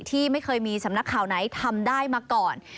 ที่ไม่เคยมีสำนักข่าวไหนทำได้มาก่อน